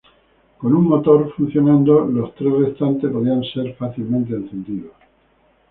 Con un motor funcionando, los tres restantes podían ser fácilmente encendidos.